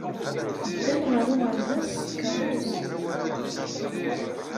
Ddan ɣer uɣerbaz s tkeṛṛust.